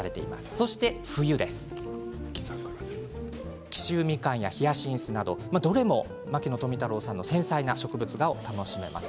そして冬、キシュウミカン、ヒヤシンスなどどれも牧野富太郎さんの繊細な植物画を楽しめます。